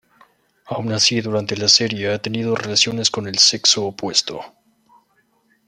Aun así durante la serie ha tenido relaciones con el sexo opuesto.